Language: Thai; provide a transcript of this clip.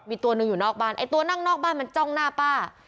มีตัวหนึ่งอยู่นอกบ้านไอ้ตัวนั่งนอกบ้านมันจ้องหน้าป้า